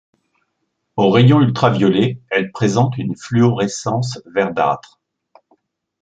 Aux rayons ultraviolets, elle présente une fluorescence verdâtre.